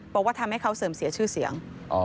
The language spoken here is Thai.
บอกว่าทำให้เขาเสื่อมเสียชื่อเสียง